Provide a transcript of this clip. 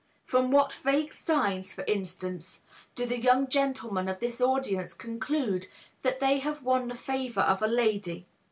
From what vague signs, for instance, do the young gentlemen of this audience conclude that they have won the favor of a lady?